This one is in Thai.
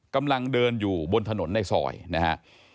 กำลังเดินอยู่บนถนนในซอยนะฮะ